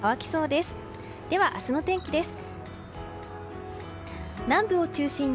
では、明日の天気です。